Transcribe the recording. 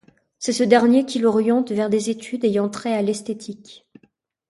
C'est ce dernier qui l'oriente vers des études ayant trait à l'esthétique.